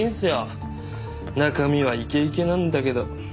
中身はイケイケなんだけど。